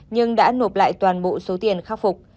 nhưng đã nộp lại toàn bộ số tiền khắc phục